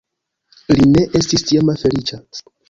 Li ne estis tiam feliĉa.